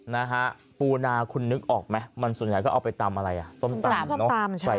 นะฮะปูนาคุณนึกออกไหมมันส่วนใหญ่ก็เอาไปตำอะไรอ่ะส้มตำเนอะ